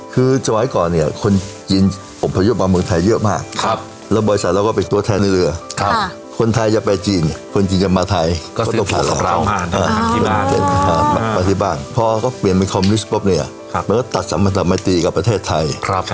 คือจ่ายก่อนคนจีนอบพยุทธมาเมืองไทยเยอะมาก